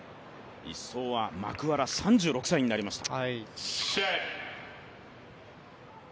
１走はマクワラ、３６歳になりました。